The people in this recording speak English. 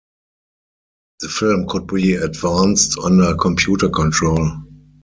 The film could be advanced under computer control.